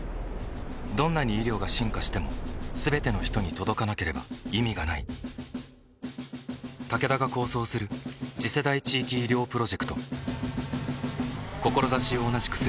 どんなに医療が進化しても全ての人に届かなければ意味がないタケダが構想する次世代地域医療プロジェクト志を同じくするあらゆるパートナーと手を組んで実用化に挑む